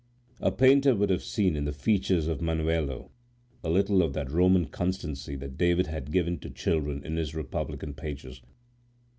A painter would have seen in the features of Manuelo a little of that Roman constancy that David has given to children in his republican pages.